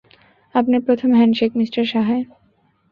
আপনার প্রথম handshake, mister সাহায়।